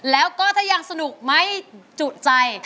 แล้วก็ถ้ายังสนุกไม่จุใจ